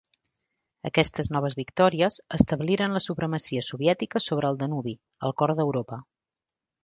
Aquestes noves victòries establiren la supremacia soviètica sobre el Danubi, al cor d'Europa.